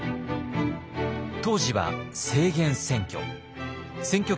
当時は制限選挙。